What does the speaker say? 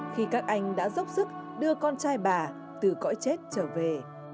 khi các anh đã dốc sức đưa con trai bà từ cõi chết trở về